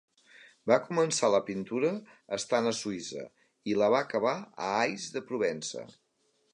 Va començar la pintura estant a Suïssa i la va acabar a Ais de Provença.